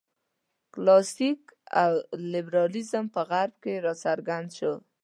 کلاسیک لېبرالېزم په غرب کې راڅرګند شو.